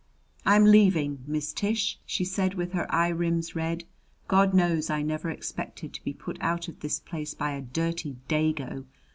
"I'm leaving, Miss Tish!" she said with her eye rims red. "God knows I never expected to be put out of this place by a dirty dago!